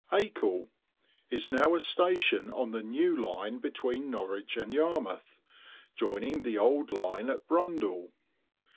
ACLE Is now a station on the new line between Norwich and Yarmouth, joining the old line at Brundall.